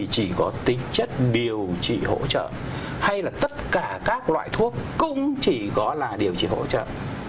chỉ có tính chất điều trị hỗ trợ hay là tất cả các loại thuốc cũng chỉ có là điều trị hỗ trợ